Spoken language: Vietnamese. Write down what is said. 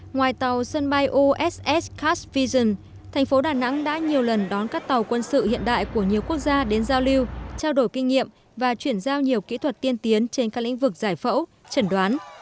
ngoài tàu sân bay uss cash vision thành phố đà nẵng đã nhiều lần đón các tàu quân sự hiện đại của nhiều quốc gia đến giao lưu trao đổi kinh nghiệm và chuyển giao nhiều kỹ thuật tiên tiến trên các lĩnh vực giải phẫu chẩn đoán